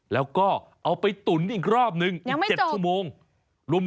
แล้วก็เอาไปตุ๋นอีกรอบหนึ่ง๗ชั่วโมงยังไม่จบ